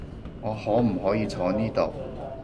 我可唔可以坐呢度？